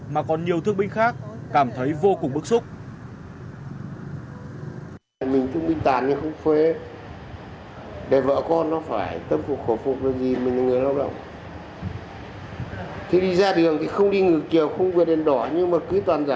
mà còn nhiều thương binh khác cảm thấy vô cùng bức xúc